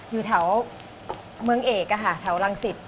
อยู่แถวเมืองเอกแถวรังสิต